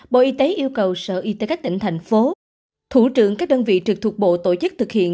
bộ y tế yêu cầu sở y tế các tỉnh thành phố thủ trưởng các đơn vị trực thuộc bộ tổ chức thực hiện